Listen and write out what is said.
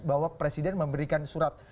bahwa presiden memberikan surat